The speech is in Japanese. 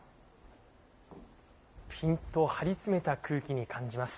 ぴんと張り詰めた空気に感じます。